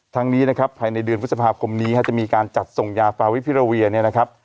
ทั้งนี้นะครับภายในเดือนพฤษภาคมนี้จะมีการจัดส่งยาฟาวิพิราเวียเนี่ยนะครับ